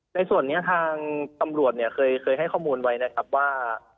ในส่วนนี้ทางตำรวจเนี่ยเคยให้ข้อมูลไว้นะครับว่า